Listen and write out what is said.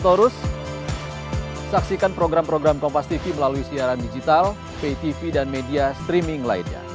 terima kasih mulya prof arief